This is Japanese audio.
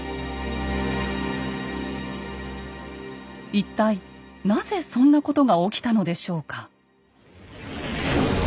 一体なぜそんなことが起きたのでしょうか。